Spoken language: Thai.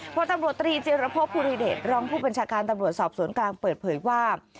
พลตำรวจตรีจิรพบภูริเดชรองผู้บัญชาการตำรวจสอบสวนกลางเปิดเผยว่า